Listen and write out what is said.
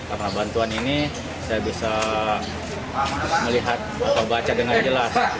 karena bantuan ini saya bisa melihat atau baca dengan jelas